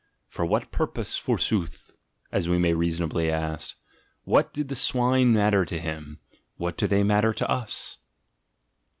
"For what purpose, \or sooth'" ASCETIC IDEALS 97 as we may reasonably ask. What did the swine matter to him; what do they matter to us?